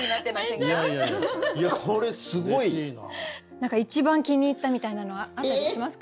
何か一番気に入ったみたいなのはあったりしますか？